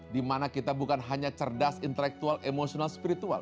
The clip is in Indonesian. dimana kita bukan hanya cerdas intelektual emosional spiritual